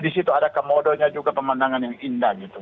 di situ ada komodonya juga pemandangan yang indah gitu